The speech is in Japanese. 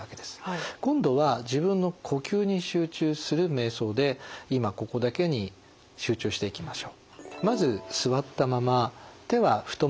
今度は自分の呼吸に集中するめい想で今・ここだけに集中していきましょう。